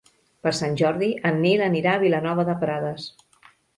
Per Sant Jordi en Nil anirà a Vilanova de Prades.